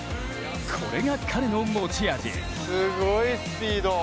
これが彼の持ち味。